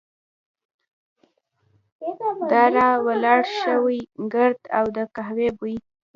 د را ولاړ شوي ګرد او د قهوې بوی.